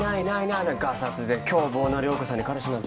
あんながさつで凶暴な涼子さんに彼氏なんて。